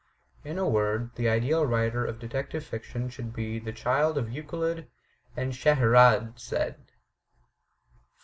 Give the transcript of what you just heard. In a word, the ideal writer of detective fiction should be the child of Euclid and Scheherazade. 4.